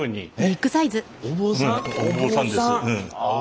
お坊さんです。